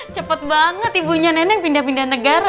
cepet banget ibunya nenek pindah pindah negara